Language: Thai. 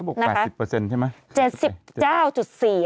บอก๘๐เปอร์เซ็นต์ใช่ไหม